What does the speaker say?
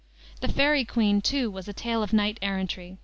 The Faery Queene, too, was a tale of knight errantry.